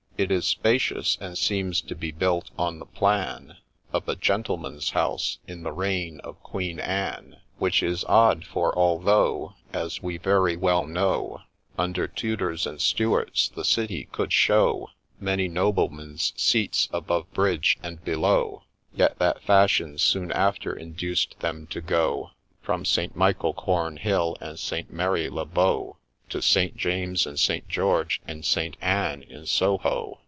It 13 spacious, and seems to be built on the plan Of a Gentleman's house in the reign of Queen Anne ; Which is odd, for, although, As we very well know, Under Tudors and Stuarts the City could show Many Noblemen's seats above Bridge and below, Yet that fashion soon after induced them to go From St. Michael Cornhill, and St. Mary le Bow, To St. James, and St. George, and St. Anne in Soho.